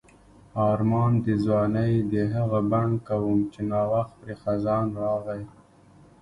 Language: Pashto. آرمان د ځوانۍ د هغه بڼ کوم چې نا وخت پرې خزان راغی.